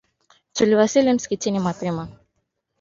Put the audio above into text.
Tuliwasili msikitini mapema.